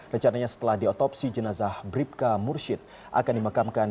rencananya setelah diotopsi jenazah bripka mursid akan dimekamkan